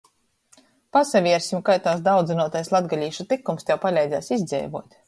Pasavērsim kai tovs daudzynuotais latgalīšu tykums tev paleidzēs izdzeivuot?